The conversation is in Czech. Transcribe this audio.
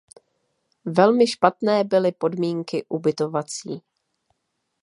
Velmi špatné byly podmínky ubytovací.